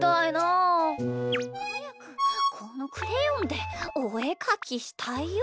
はやくこのクレヨンでおえかきしたいよ。